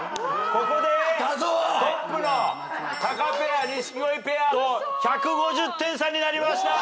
ここでトップのタカペア錦鯉ペアと１５０点差になりました。